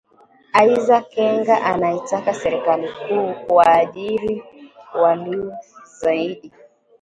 "Aidha Kenga anaitaka serikali kuu kuwaajiri waliu zaidi